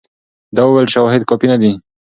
ده وویل شواهد کافي نه دي.